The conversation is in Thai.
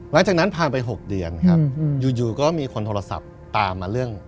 หลังจากนั้นผ่านไป๖เดือนครับอยู่ก็มีคนโทรศัพท์ตามมาเรื่อง